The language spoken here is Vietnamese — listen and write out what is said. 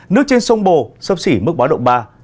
nước trên sông bồ sắp xỉ mức báo động ba